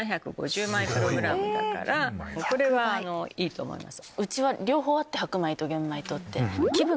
これはいいと思います。